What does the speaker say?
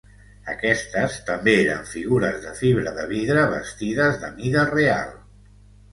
Aquestes també eren figures de fibra de vidre vestides de mida real.